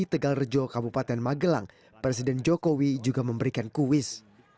di tegal rejo kabupaten magelang presiden jokowi juga memberikan kuis